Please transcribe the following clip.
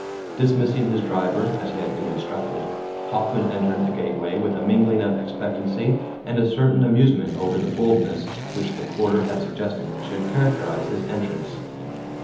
Dismissing his driver, as he had been instructed, Hoffman entered the gateway with a mingling of expectancy and a certain amusement over the "boldness" which the porter had suggested should characterize his entrance.